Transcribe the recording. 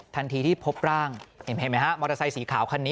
ทันทีที่พบร่างเห็นไหมฮะมอเตอร์ไซสีขาวคันนี้